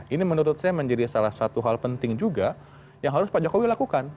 ini menurut saya menjadi salah satu hal penting juga yang harus pak jokowi lakukan